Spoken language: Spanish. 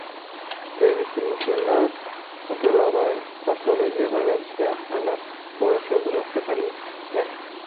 De origen musulmán, controlaba el paso desde Valencia a las poblaciones de La Serranía.